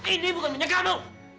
ini bukan minyak kamu